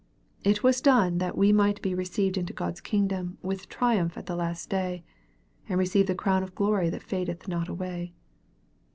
It was done that we might be received into God's kingdom with triumph at the last day, and receive the crown of glory that fadeth not away.